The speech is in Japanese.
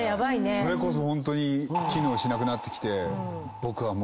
それこそホントに機能しなくなってきて。